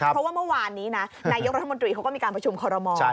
เพราะว่าเมื่อวานนี้นะนายกรัฐมนตรีเขาก็มีการประชุมคอรมอล